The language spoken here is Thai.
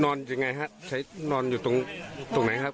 นอนอย่างไรคะนอนอยู่ตรงไหนครับ